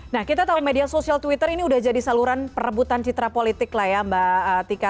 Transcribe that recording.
nah kita tahu media sosial twitter ini sudah jadi saluran perebutan citra politik lah ya mbak tika